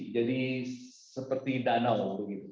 jadi seperti danau